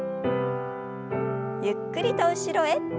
ゆっくりと後ろへ。